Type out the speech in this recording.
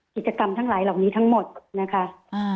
กิจกรรมทั้งหลายเหล่านี้ทั้งหมดนะคะ